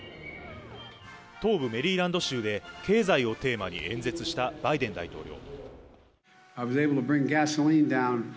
東部メリーランド州で、経済をテーマに演説したバイデン大統領。